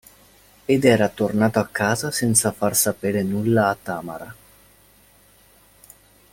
Ed era tornato a casa senza far sapere nulla a Tamara.